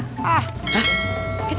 kita cuma berdua